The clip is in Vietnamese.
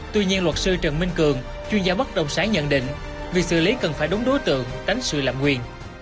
tuy nhiên luật sư trần minh cường chuyên gia bất đồng sáng nhận định việc xử lý cần phải đúng đối tượng tánh sự lạm nguyện